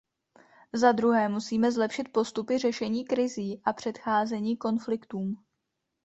Za druhé, musíme zlepšit postupy řešení krizí a předcházení konfliktům.